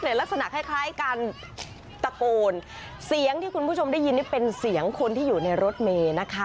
ลักษณะคล้ายคล้ายการตะโกนเสียงที่คุณผู้ชมได้ยินนี่เป็นเสียงคนที่อยู่ในรถเมย์นะคะ